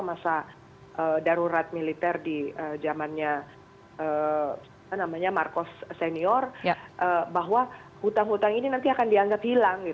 masa darurat militer di zamannya marcos senior bahwa hutang hutang ini nanti akan dianggap hilang